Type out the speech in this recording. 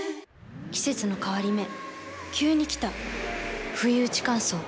季節の変わり目急に来たふいうち乾燥。